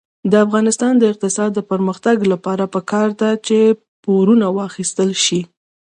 د افغانستان د اقتصادي پرمختګ لپاره پکار ده چې پورونه واخیستل شي.